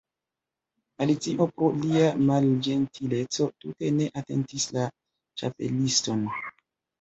Alicio pro lia malĝentileco tute ne atentis la Ĉapeliston.